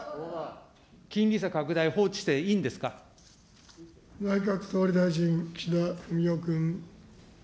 金利差拡大、放置していいんです内閣総理大臣、岸田文雄君。